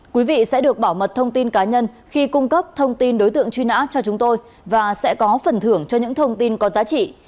quý vị sẽ được bảo mật thông tin cá nhân khi cung cấp thông tin đối tượng truy nã cho chúng tôi và sẽ có phần thưởng cho những thông tin có giá trị